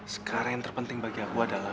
sekarang yang terpenting bagi aku adalah